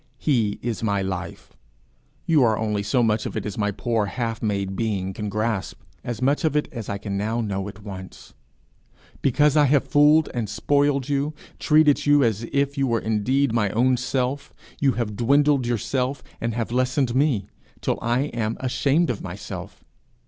He is my life; you are only so much of it as my poor half made being can grasp as much of it as I can now know at once. Because I have fooled and spoiled you, treated you as if you were indeed my own self, you have dwindled yourself and have lessened me, till I am ashamed of myself.